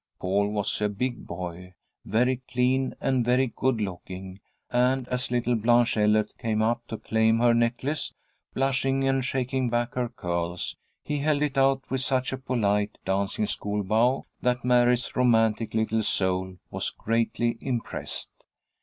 Paul was a big boy, very clean and very good looking, and as little Blanche Ellert came up to claim her necklace, blushing and shaking back her curls, he held it out with such a polite, dancing school bow that Mary's romantic little soul was greatly impressed.